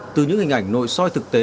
từ những hình ảnh nội soi thực tế